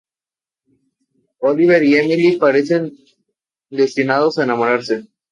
Oliver y Emily parecen destinados a enamorarse.